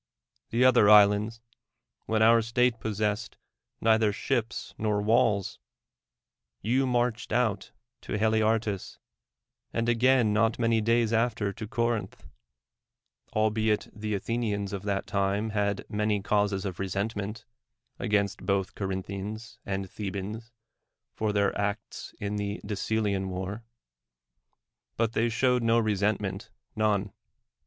the other islands ; when our state possessed neither ships nor walls; you marched out to Haliartus, and again not many days after to Corinth; albeit the Athenians of that time had many causes of resentment against both Corinthians and Thebans for their acts in the Decelean war; but they showed no resentm.ent, none.